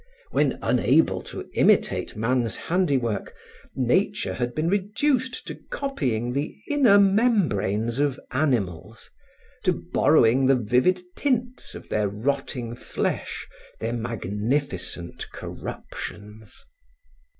When unable to imitate man's handiwork, nature had been reduced to copying the inner membranes of animals, to borrowing the vivid tints of their rotting flesh, their magnificent corruptions.